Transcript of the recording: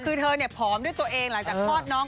คือเธอเนี่ยผอมด้วยตัวเองหลังจากคลอดน้อง